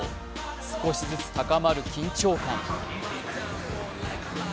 少しずつ高まる緊張感。